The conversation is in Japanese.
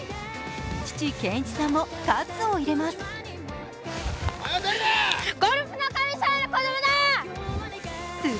父・憲一さんも喝を入れます。